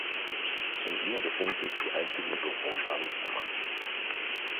Ihn ihm befinden sich die einzigen bewohnbaren Zimmer.